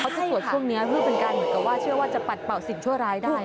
จะสวดช่วงนี้เพื่อเป็นการเหมือนกับว่าเชื่อว่าจะปัดเป่าสิ่งชั่วร้ายได้